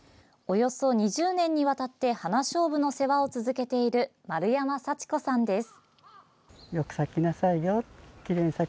およそ２０年にわたって花しょうぶの世話を続けている丸山佐智子さんです。